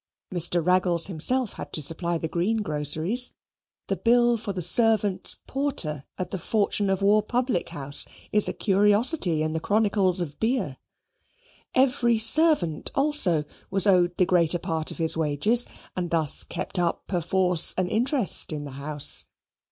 Mr. Raggles himself had to supply the greengroceries. The bill for servants' porter at the Fortune of War public house is a curiosity in the chronicles of beer. Every servant also was owed the greater part of his wages, and thus kept up perforce an interest in the house.